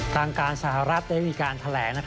ทางการสหรัฐได้มีการแถลง